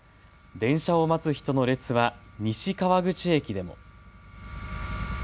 電車を待つ人の列は西川口駅でも。